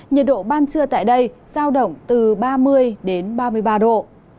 nhiệt độ ban trưa tại đây giao động từ ba mươi đến ba mươi ba độ